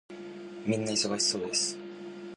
皆忙しそうです。